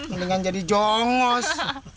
mendingan jadi jongos